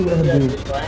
bé hân duy